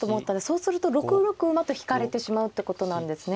そうすると６六馬と引かれてしまうってことなんですね。